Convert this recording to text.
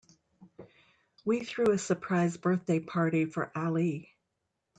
We threw a surprise birthday party for Ali.